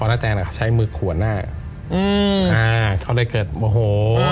วันนาแตนเอาค่ะใช้มือขัวหน้าเขาได้เกิดโอ้โห